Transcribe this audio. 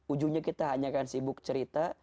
ujungnya kita hanya akan sibuk cerita